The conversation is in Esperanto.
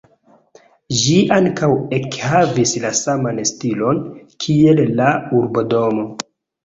Ĝi ankaŭ ekhavis la saman stilon kiel la urbodomo.